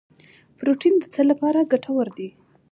پروټین د څه لپاره ګټور دی